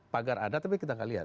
pagar ada tapi kita nggak lihat